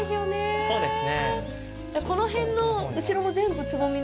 そうですね。